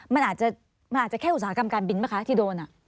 มันอาจจะแค่อุตสาหกรรมการบินป่ะคะที่โดน